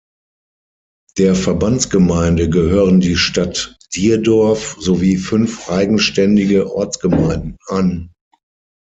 Der Verbandsgemeinde gehören die Stadt Dierdorf sowie fünf eigenständige Ortsgemeinden an.